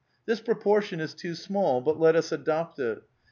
This propor tion is too small ; but let us adopt it.